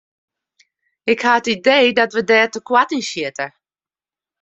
Ik ha it idee dat wy dêr te koart yn sjitte.